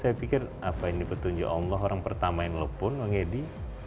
saya pikir apa yang di petunjuk allah orang pertama yang ngelepon bang edi